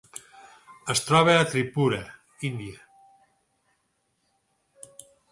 Es troba a Tripura, Índia.